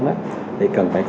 thì cần phải có một cái phố